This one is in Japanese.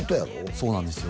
そうなんですよ